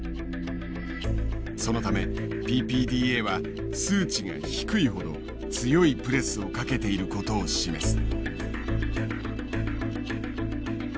そのためＰＰＤＡは数値が低いほど強いプレスをかけていることを示す。